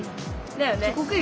だよね。